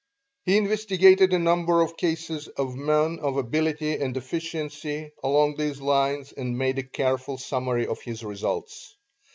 He investigated a number of cases of men of ability and efficiency, along these lines, and made a careful summary of his results.